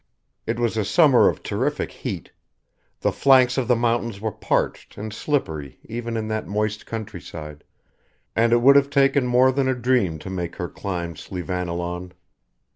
It was a summer of terrific heat; the flanks of the mountains were parched and slippery even in that moist countryside, and it would have taken more than a dream to make her climb Slievannilaun.